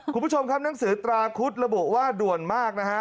คุณผู้ชมครับหนังสือตราคุดระบุว่าด่วนมากนะฮะ